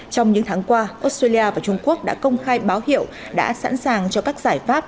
trong những tháng qua australia và trung quốc đã công khai báo hiệu đã sẵn sàng cho các giải pháp